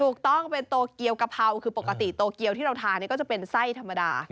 ถูกต้องเป็นโตเกียวกะเพราคือปกติโตเกียวที่เราทานก็จะเป็นไส้ธรรมดา